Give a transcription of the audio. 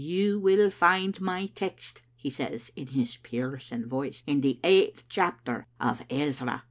*You will find my text,' he says, in his piercing voice, 'in the eighth chapter of Ezra.'"